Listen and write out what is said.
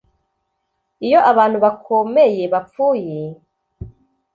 iyo abantu bakomeye bapfuye,